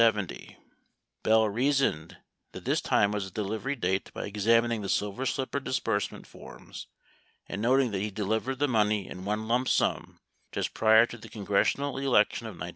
78 Bell reasoned that this time was a delivery date by examining the Silver Slipper disbursement forms and noting that he delivered the money in one lump sum just prior to the congressional election of 1970.